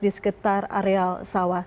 di sekitar areal sawah